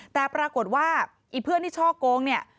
แต่ปรากฏว่าไอ้เพื่อนที่ช่อโกงเนี่ย